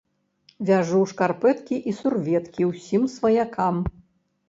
Вяжу шкарпэткі і сурвэткі ўсім сваякам.